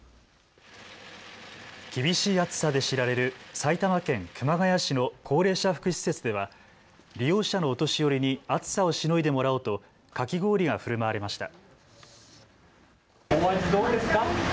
厳しい暑さで知られる埼玉県熊谷市の高齢者福祉施設では利用者のお年寄りに暑さをしのいでもらおうとかき氷がふるまわれました。